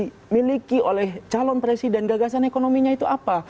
yang dimiliki oleh calon presiden gagasan ekonominya itu apa